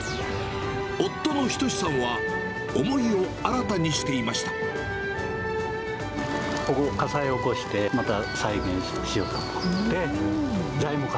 夫の中さんは、思いを新たにしてここ、火災起こして、また再建しようと思って。